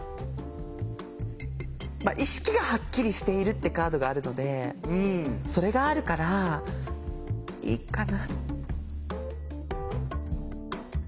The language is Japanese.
「意識がはっきりしている」ってカードがあるのでそれがあるからいいかな。